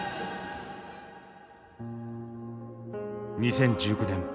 ２０１９年